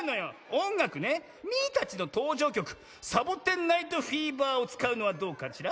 おんがくねミーたちのとうじょうきょく「サボテン・ナイト・フィーバー」をつかうのはどうかしら？